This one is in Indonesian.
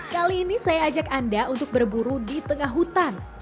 kali ini saya ajak anda untuk berburu di tengah hutan